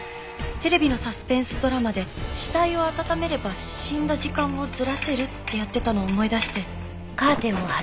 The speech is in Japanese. テレビのサスペンスドラマで死体を温めれば死んだ時間をずらせるってやってたのを思い出して。